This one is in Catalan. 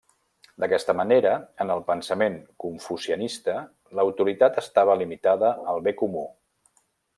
D'aquesta manera, en el pensament confucianista, l'autoritat estava limitada al bé comú.